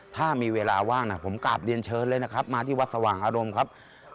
ถ้ามีเวลาว่างผมกลับเรียนเชิญเลยนะครับ